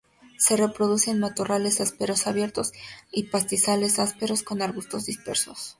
Se reproduce en matorrales ásperos abiertos y en pastizales ásperos con arbustos dispersos.